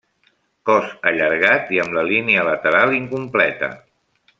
Cos allargat i amb la línia lateral incompleta.